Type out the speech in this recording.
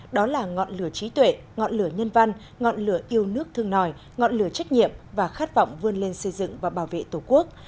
đó là ngọn lửa trí tuệ ngọn lửa nhân văn ngọn lửa yêu nước thương nòi ngọn lửa trách nhiệm và khát vọng vươn lên xây dựng và bảo vệ tổ quốc